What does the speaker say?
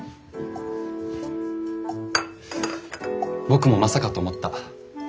僕もまさかと思った。